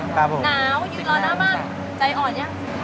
หนาวยืนรอหน้าบ้านใจอ่อนยัง